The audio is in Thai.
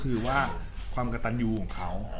ก็ตอบให้ตรงคำถาม